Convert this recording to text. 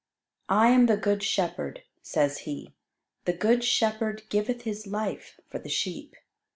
"I am the good shepherd," says He, "the good shepherd giveth his life for the sheep."